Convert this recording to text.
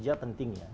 itu adalah pentingnya